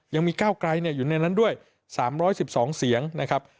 ยังมีก้าวไกลอยู่ในนั้นด้วย๓๑๒เสียงนะครับ